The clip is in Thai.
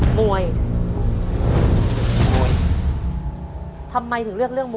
จิตตะสังวโรครับ